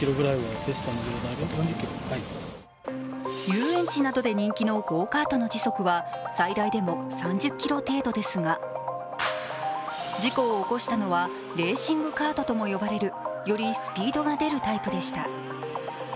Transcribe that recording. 遊園地などで人気のゴーカートの時速は最大でも３０キロ程度ですが、事故を起こしたのは、レーシングカートとも呼ばれるよりスピードが出るタイプでした。